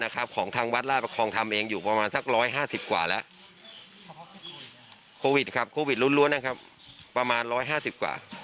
โควิด๑๙ร้วนนะครับประมาณ๑๕๐กว่า